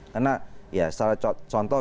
karena ya salah contoh misalnya di dekat kota